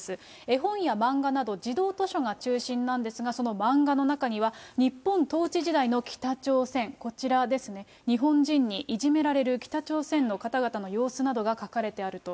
絵本や漫画など児童図書が中心なんですが、その漫画の中には、日本統治時代の北朝鮮、こちらですね、日本人にいじめられる北朝鮮の方々の様子などが書かれてあると。